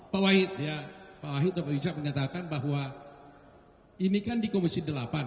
pak wahid ya pak wahid dapat richard menyatakan bahwa ini kan di komisi delapan